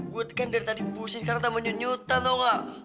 gue kan dari tadi pusing karena tambah nyutan nyutan tau gak